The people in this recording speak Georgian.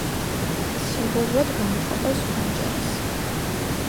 სიმბოლურად გამოხატავს ფანჯარას.